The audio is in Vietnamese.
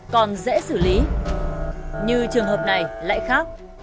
còn dễ xử lý như trường hợp này lại khác